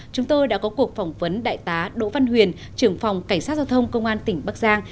chúng tôi đã có cuộc phỏng vấn đại tá đỗ văn huyền trưởng phòng cảnh sát giao thông công an tỉnh bắc giang